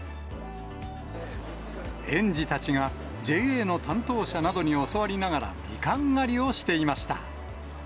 園児たちが、ＪＡの担当者などに教わりながら、みかん狩りをしていました。